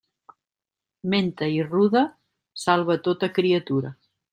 Menta i ruda salva tota criatura.